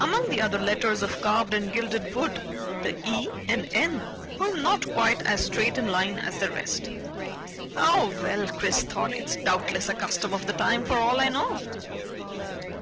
Among the other letters of carved and gilded wood, the E and N were not quite as straight in line as the rest. Oh well, Chris thought, it's doubtless a custom of the time for all I know.